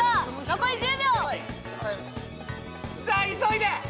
残り１０秒さあ急いで！